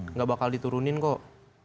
nggak bakal diturunin kok